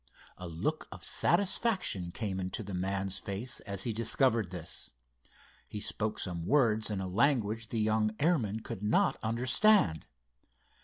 A look of satisfaction came into the man's face as he discovered this. He spoke some words in a language the young airmen could not understand.